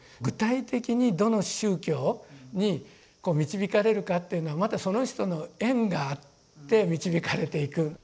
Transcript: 具体的にどの宗教に導かれるかっていうのはまたその人の縁があって導かれていく。